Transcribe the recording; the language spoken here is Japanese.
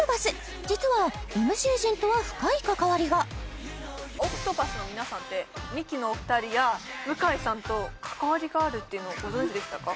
実はＭＣ陣とは深い関わりがＯＣＴＰＡＴＨの皆さんってミキのお二人や向井さんと関わりがあるっていうのをご存じでしたか？